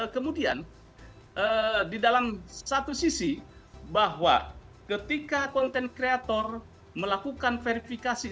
kemudian di dalam satu sisi bahwa ketika content creator melakukan verifikasi